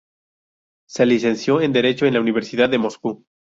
Se licenció en Derecho en la Universidad de Moscú.